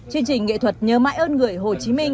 chương trình nghệ thuật nhớ mãi ơn người hồ chí minh